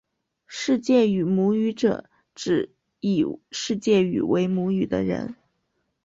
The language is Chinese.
世界语母语者指以世界语为母语的人。